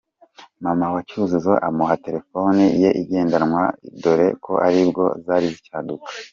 "Mama wa Cyuzuzo amuha telefoni ye igendanywa dore ko aribwo zari zicyaduka.